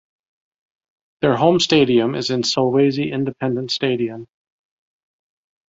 Their home stadium is Solwezi Independence Stadium.